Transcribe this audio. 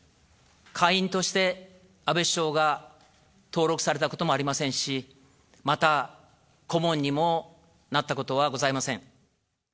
会員として安倍首相が登録されたこともありませんし、また、顧問にもなったことはございません。